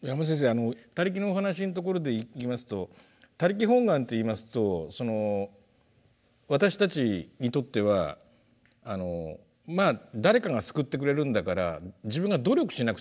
あの「他力」のお話のところでいきますと「他力本願」っていいますと私たちにとっては「まあ誰かが救ってくれるんだから自分が努力しなくてもいい。